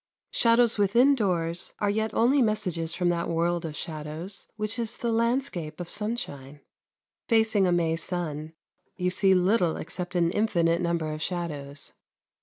Shadows within doors are yet only messages from that world of shadows which is the landscape of sunshine. Facing a May sun you see little except an infinite number of shadows.